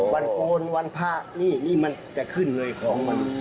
วันโกนวันพระนี่นี่มันจะขึ้นเลยของมัน